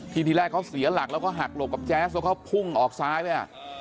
ทีนี้เราก็เสียหลักแล้วก็หักโหรบกับแจ๊สก็พุ่งออกซ้ายไปฮะ